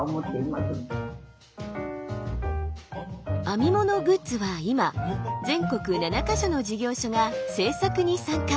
編み物グッズは今全国７か所の事業所が制作に参加！